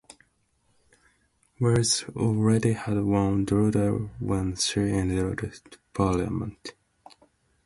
Wells already had one daughter when she entered parliament.